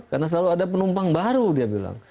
karena selalu ada penumpang baru dia bilang